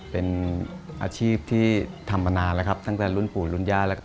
เป็นอาชีพที่ทำมานานแล้วครับตั้งแต่รุ่นปู่รุ่นย่าแล้วก็